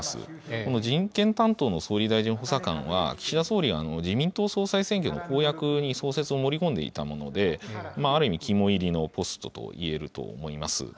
この人権担当の総理大臣補佐官は、岸田総理が自民党総裁選挙の公約に創設を盛り込んでいたもので、ある意味、肝煎りのポストといえると思います。